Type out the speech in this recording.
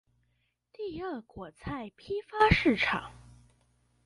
第二果菜批發市場